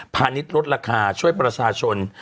พาณิชย์ลดราคาช่วยประศาชน